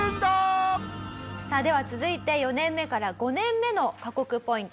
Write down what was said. さあでは続いて４年目から５年目の過酷ポイント